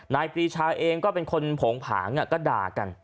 ปรีชาเองก็เป็นคนโผงผางก็ด่ากัน